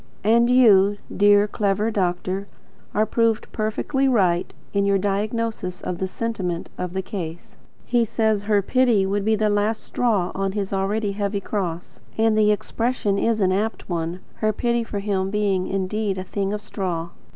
And you, dear, clever doctor, are proved perfectly right in your diagnosis of the sentiment of the case. He says her pity would be the last straw on his already heavy cross; and the expression is an apt one, her pity for him being indeed a thing of straw.